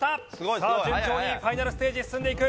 さあ順調にファイナルステージ進んでいく。